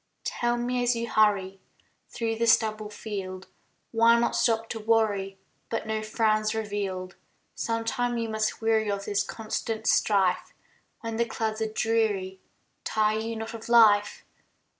Tell me as you hurry Through the stubble field, Why not stop to worry But no frown's revealed. Sometime you must weary Of this constant strife; When the clouds are dreary, Tire you not of life?